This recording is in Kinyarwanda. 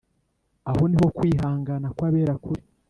Aho ni ho kwihangana kw’abera kuri,